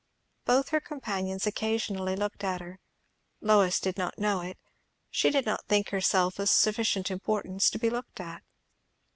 Both her companions occasionally looked at her; Lois did not know it; she did not think herself of sufficient importance to be looked at.